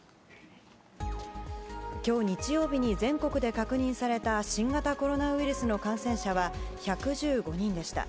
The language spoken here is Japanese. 今日日曜日に全国で確認された新型コロナウイルスの感染は１１５人でした。